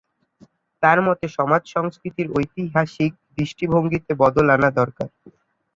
তার মতে সমাজ সংস্কৃতির ঐতিহাসিক দৃষ্টিভঙ্গিতে বদল আনা দরকার।